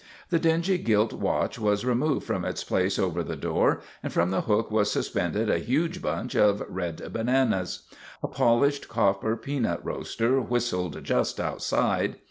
The dingy gilt watch was removed from its place over the door and from the hook was suspended a huge bunch of red bananas. A pol ished copper peanut roaster whistled just outside.